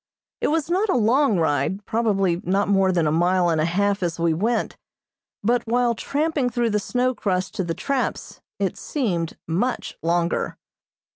It was not a long ride, probably not more than a mile and a half as we went, but while tramping through the snow crust to the traps it seemed much longer.